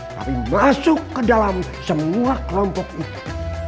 tapi masuk ke dalam semua kelompok itu